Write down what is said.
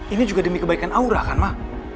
ini juga demi kebaikan aura kan mah